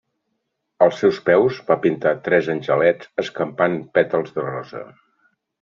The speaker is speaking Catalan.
Als seus peus, va pintar tres angelets escampant pètals de rosa.